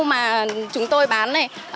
mà chúng tôi bán này